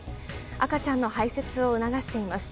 赤ちゃんの排泄を促しています。